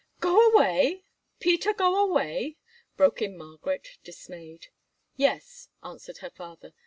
"Go away! Peter go away?" broke in Margaret, dismayed. "Yes," answered her father.